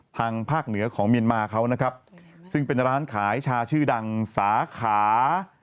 ทางภาคเหนือของเมียนมาเขานะครับซึ่งเป็นร้านขายชาชื่อดังสาขา